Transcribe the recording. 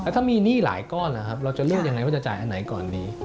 ถ้ามีหนี้หลายก้อนนะครับเราจะเลือกยังไงว่าจะจ่ายอันไหนก่อนดี